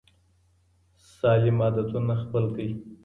سالم عادتونه خپل کړئ.